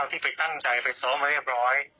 ที่ไปตั้งใจไปซ้อมไว้เรียบร้อย